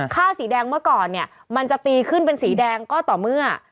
สีแดงเมื่อก่อนเนี่ยมันจะตีขึ้นเป็นสีแดงก็ต่อเมื่อ